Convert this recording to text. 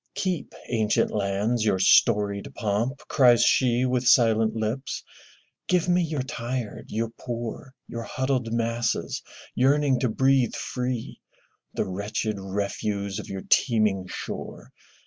'*Keep, ancient lands, your storied pomp!'' cries she With silent lips. Give me your tired, your poor. Your huddled masses yearning to breathe free, The wretched refuse of your teeming shore.